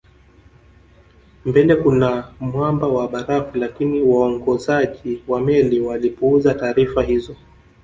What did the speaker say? Mbele kuna mwamba wa barafu lakini waongozaji wa meli walipuuza taarifa hizo